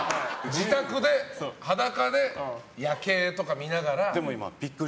自宅で裸で夜景とか見ながら。